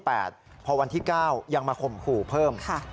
พอวันที่๙ยังมาข่มขู่เพิ่ม